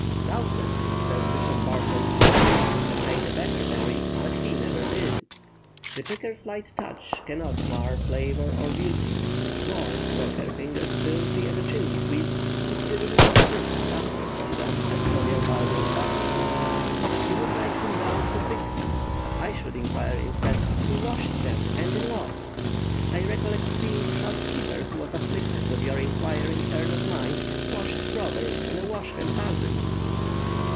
"Doubtless," says Bishop Butler, "HE could have made a better berry, but HE never did!" The picker's light touch cannot mar flavor or beauty, nor, were her fingers filthy as a chimney sweep's, could the delicate fruit suffer from them as from your barbarous baptism. You would like to know who picked them. I should inquire instead, "Who washed them, and in what?" I recollect seeing a housekeeper, who was afflicted with your inquiring turn of mind, wash strawberries in a wash hand basin!